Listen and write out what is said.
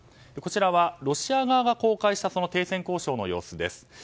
こちらはロシア側が公開した停戦交渉の様子です。